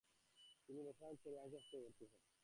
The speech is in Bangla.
তিনি রসায়ন ছেড়ে আইন শাস্ত্রে ভর্তি হন।